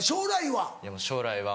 将来は？